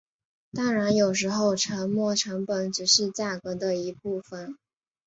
当然有时候沉没成本只是价格的一部分。